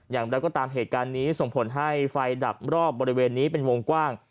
อย่างไรก็ตามเหตุการณ์นี้ส่งผลให้ไฟดับรอบบริเวณนี้เป็นวงกว้าง